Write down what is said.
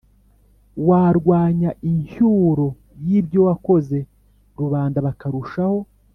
warwanya incyuro y'ibyo wakoze, rubanda bakarushaho